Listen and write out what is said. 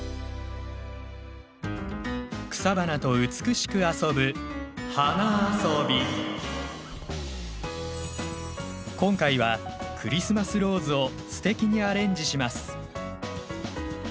草花と美しく遊ぶ今回はクリスマスローズをすてきにアレンジします。